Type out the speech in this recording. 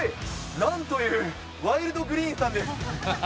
なんという、ワイルドグリーンさんです。